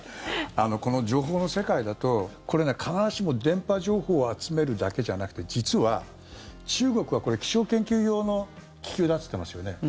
この情報の世界だとこれ、必ずしも電波情報を集めるだけじゃなくて実は、中国はこれ気象研究用の気球だって言ってますよね。